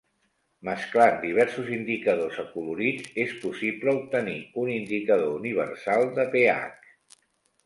Mesclant diversos indicadors acolorits és possible obtenir un indicador universal de pH.